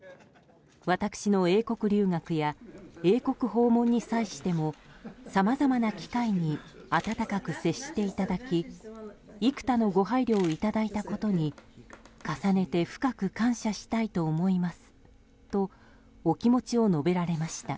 私の英国留学や英国訪問に際してもさまざまな機会に温かく接していただき幾多のご配慮をいただいたことに重ねて深く感謝したいと思いますとお気持ちを述べられました。